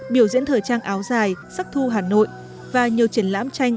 biểu diễn thời trang áo dài sắc thu hà nội và nhiều triển lãm tranh